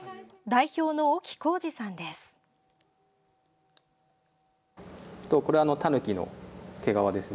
代表の沖浩志さんです。